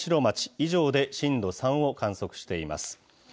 以上で震度３を観測しています。